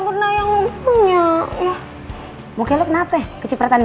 kita gue ngelindah ya